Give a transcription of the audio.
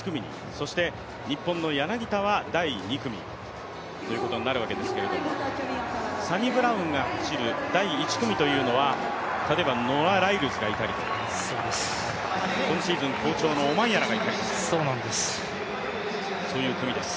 そして日本の柳田は第２組ということになるわけですけれどもサニブラウンが走る第１組というのは第１組というのは、例えばノア・ライルズがいたりとか、今シーズン好調のオマンヤラがいたりとか、そういう組です。